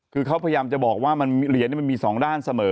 คือเขาพยายามจะบอกว่าเหรียญมันมี๒ด้านเสมอ